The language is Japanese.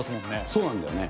そうなんだよね。